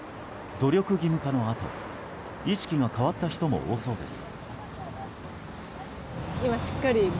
努力義務化のあと意識が変わった人も多そうです。